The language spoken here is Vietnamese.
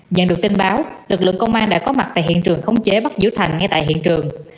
nhận được tin báo lực lượng công an đã có mặt tại hiện trường khống chế bắt giữ thành ngay tại hiện trường